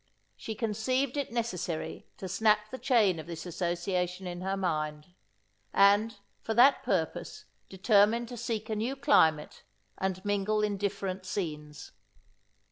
She conceived it necessary to snap the chain of this association in her mind; and, for that purpose, determined to seek a new climate, and mingle in different scenes.